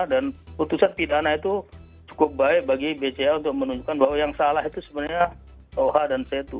dan putusan pidana itu cukup baik bagi bca untuk menunjukkan bahwa yang salah itu sebenarnya toha dan setu